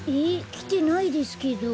きてないですけど。